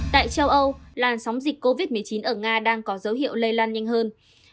tại châu âu làn sóng dịch covid một mươi chín ở nga đang có dấu hiệu lây lan nhanh hơn